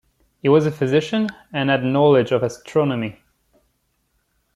He was a Physician and had knowledge of astronomy.